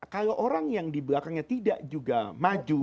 kalau orang yang di belakangnya tidak juga maju